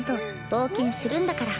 冒険するんだから。